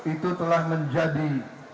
itu telah menjadi